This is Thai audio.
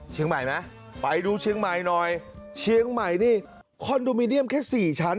เชียงใหม่ไหมไปดูเชียงใหม่หน่อยเชียงใหม่นี่คอนโดมิเนียมแค่สี่ชั้น